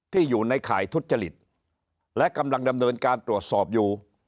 ที่อยู่ในข่ายทุจริตและกำลังดำเนินการตรวจสอบอยู่